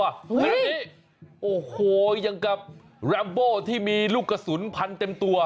แบบนี้โอ้โหอย่างกับแรมโบที่มีลูกกระสุนพันเต็มตัว